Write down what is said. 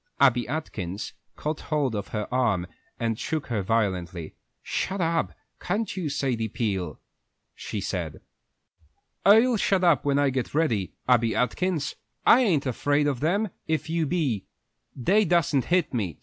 Abby Atkins caught hold of her arm and shook her violently. "Shut up, can't you, Sadie Peel," she said. "I'll shut up when I get ready, Abby Atkins! I ain't afraid of them if you be. They dassen't hit me.